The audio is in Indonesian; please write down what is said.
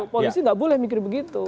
polisi nggak boleh mikir begitu